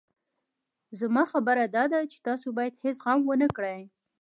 زما خبره داده چې تاسو بايد هېڅ غم ونه کړئ.